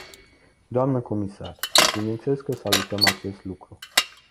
Doamnă comisar, bineînțeles că salutăm acest lucru.